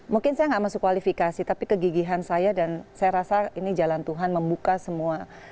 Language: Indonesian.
mungkin saya nggak masuk kualifikasi tapi kegigihan saya dan saya rasa ini jalan tuhan membuka semua